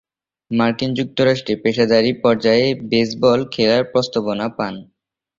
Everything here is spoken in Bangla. মার্কিন যুক্তরাষ্ট্রে পেশাদারী পর্যায়ে বেসবল খেলার প্রস্তাবনা পান।